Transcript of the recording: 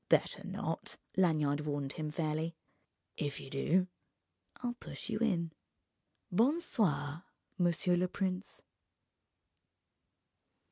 "Better not," Lanyard warned him fairly, "if you do, I'll push you in ... Bon soir, monsieur le prince!"